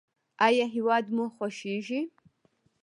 ایا هیواد مو خوښیږي؟